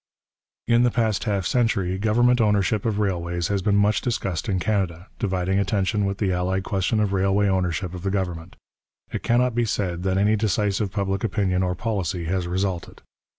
In the past half century government ownership of railways has been much discussed in Canada, dividing attention with the allied question of railway ownership of the government. It cannot be said that any decisive public opinion or policy has resulted.